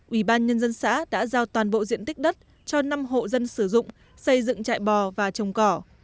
ủy ban nhân dân xã đã giao toàn bộ diện tích đất cho năm hộ dân sử dụng xây dựng trại bò và trồng cỏ